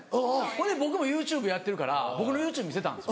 ほいで僕もＹｏｕＴｕｂｅやってるから僕のＹｏｕＴｕｂｅ見せたんです。